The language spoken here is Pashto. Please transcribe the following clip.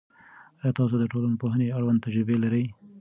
آیا تاسو د ټولنپوهنې اړوند تجربه لرئ؟